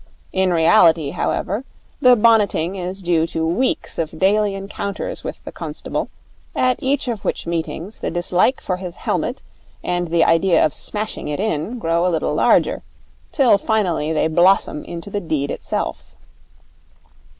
In reality, however, the bonneting is due to weeks of daily encounters with the constable, at each of which meetings the dislike for his helmet and the idea of smashing it in grow a little larger, till finally they blossom into the deed itself.